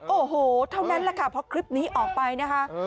โอ้โหเท่านั้นแหละค่ะเพราะคลิปนี้ออกไปนะคะ